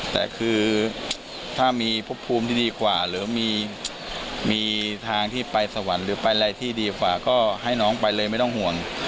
แต่คือถ้ามีพบภูมิที่ดีกว่าหรือมีทางที่ไปสวรรค์หรือไปอะไรที่ดีกว่าก็ให้น้องไปเลยไม่ต้องห่วง